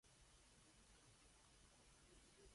To the northwest rise the Princess Elizabeth Alps.